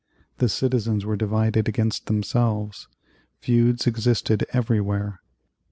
The citizens were divided against themselves. Feuds existed everywhere.